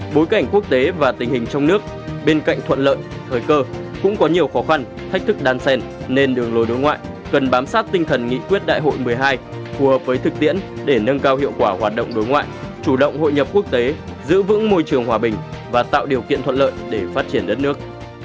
bối cảnh quốc tế và tình hình trong nước bên cạnh thuận lợi thời cơ cũng có nhiều khó khăn thách thức đan xen nên đường lối đối ngoại cần bám sát tinh thần nghị quyết đại hội một mươi hai phù hợp với thực tiễn để nâng cao hiệu quả hoạt động đối ngoại chủ động hội nhập quốc tế giữ vững môi trường hòa bình và tạo điều kiện thuận lợi để phát triển đất nước